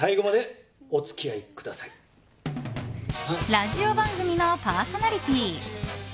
ラジオ番組のパーソナリティー。